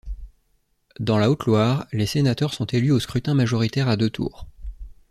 Dans la Haute-Loire, les sénateurs sont élus au scrutin majoritaire à deux tours.